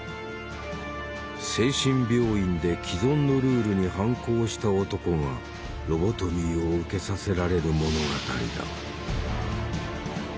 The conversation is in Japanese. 精神病院で既存のルールに反抗した男がロボトミーを受けさせられる物語だ。